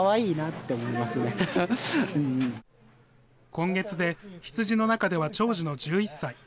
今月で羊の中では長寿の１１歳。